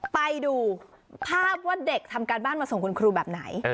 ไปดูภาพว่าเด็กทำการบ้านมาส่งคุณครูแบบไหน